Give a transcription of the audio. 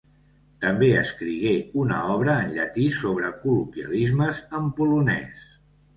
També escrigué una obra en llatí sobre col·loquialismes en polonès.